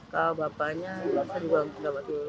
kalau bapaknya saya juga nggak tahu